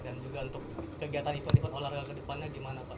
dan juga untuk kegiatan event event olahraga ke depannya gimana pak